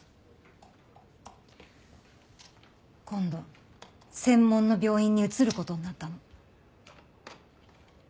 今度専門の病院に移る事になったの。